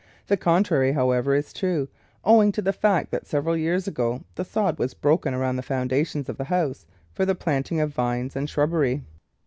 The contrary, how ever, is true, owing to the fact that several years ago the sod was broken around the foundations of the house for the planting of vines and shrub bery.